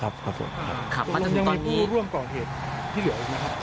ครับค่ะมันจะมีตอนนี้ยังไม่ร่วมกล่องเหตุที่เหลืออีกนะครับ